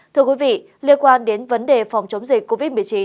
thưa quý vị liên quan đến vấn đề phòng chống dịch covid một mươi chín